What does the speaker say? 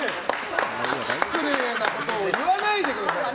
失礼なことを言わないでください。